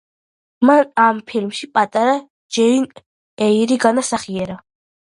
მან ამ ფილმში პატარა ჯეინ ეირი განასახიერა.